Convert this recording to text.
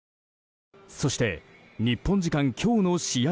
そして日本時間今日の試合